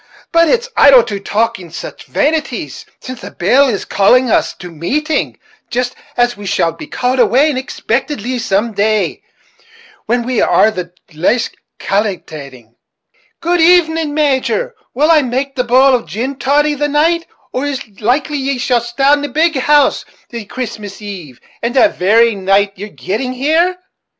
but it's idle to talk of sich vanities, while the bell is calling us to mateing jist as we shall be called away unexpictedly some day, when we are the laist calkilating. Good even, Major; will I make the bowl of gin toddy the night, or it's likely ye'll stay at the big house the Christmas eve, and the very night of yer getting there?"